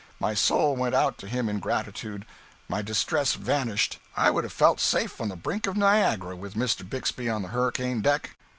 My soul went out to him in gratitude. My distress vanished; I would have felt safe on the brink of Niagara, with Mr. Bixby on the hurricane deck.